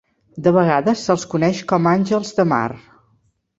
De vegades se'ls coneix com àngels de mar.